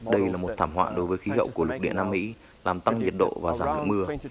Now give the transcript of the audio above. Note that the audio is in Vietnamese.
đây là một thảm họa đối với khí hậu của lục địa nam mỹ làm tăng nhiệt độ và giảm lượng mưa